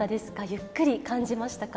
ゆっくり感じましたか？